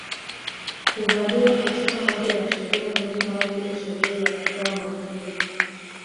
Huvaliwa katika moja ya sherehe nyingi kama vile sherehe ya kutoa majina